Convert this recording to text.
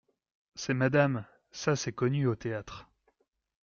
C’est madame ! ça, c’est connu au théâtre.